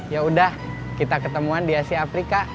yaudah kita ketemuan di asia afrika